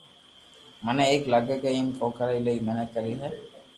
ميني تو لگي ھي ڪي مني ايلائي محنت ڪروي ھي